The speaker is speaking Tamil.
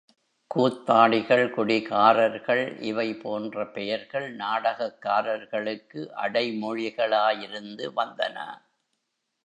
கூத்தாடிகள், குடிகாரர்கள் இவை போன்ற பெயர்கள் நாடகக்காரர்களுக்கு அடைமொழிகளாயிருந்து வந்தன.